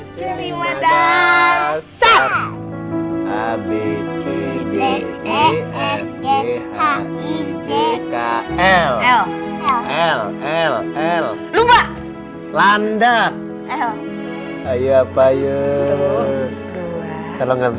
terima kasih atas dukunganmu